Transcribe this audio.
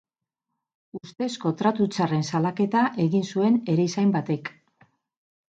Ustezko tratu txarren salaketa egin zuen erizain batek.